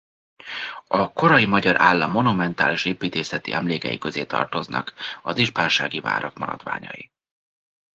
A korai magyar állam monumentális építészeti emlékei közé tartoznak az ispánsági várak maradványai.